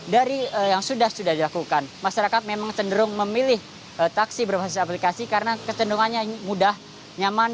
dari yang sudah sudah dilakukan masyarakat memang cenderung memilih taksi berbasis aplikasi karena kecenderungannya mudah nyaman